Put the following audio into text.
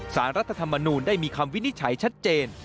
สารรัฐธรรมนูลได้มีคำวินิจฉัยชัดเจน